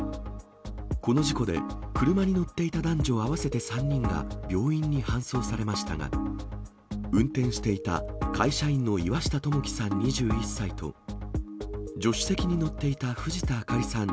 この事故で、車に乗っていた男女合わせて３人が病院に搬送されましたが、運転していた会社員の岩下知樹さん２１歳と、助手席に乗っていた藤田明里さん